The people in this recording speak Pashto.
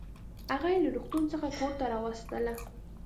هغه يې له روغتون څخه کورته راوستله